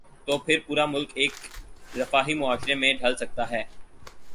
تو پھر پورا ملک ایک رفاہی معاشرے میں ڈھل سکتا ہے۔